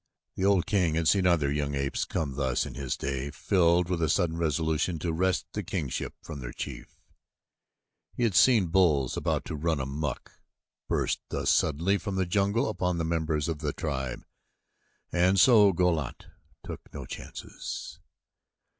The old king had seen other young apes come thus in his day filled with a sudden resolution to wrest the kingship from their chief. He had seen bulls about to run amuck burst thus suddenly from the jungle upon the members of the tribe, and so Go lat took no chances.